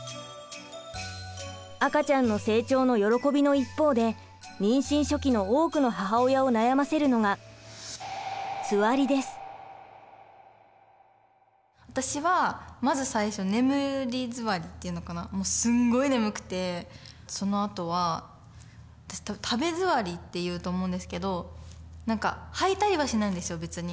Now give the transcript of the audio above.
赤ちゃんの成長の喜びの一方で妊娠初期の多くの母親を悩ませるのが私はまず最初眠りづわりっていうのかなもうすんごい眠くてそのあとは食べづわりっていうと思うんですけど何か吐いたりはしないんですよ別に。